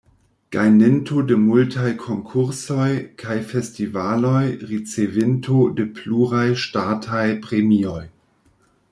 Gajninto de multaj konkursoj kaj festivaloj, ricevinto de pluraj ŝtataj premioj.